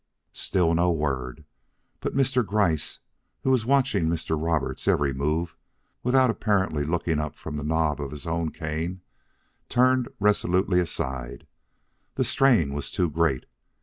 '" Still no word; but Mr. Gryce, who was watching Mr. Roberts' every move without apparently looking up from the knob of his own cane, turned resolutely aside; the strain was too great.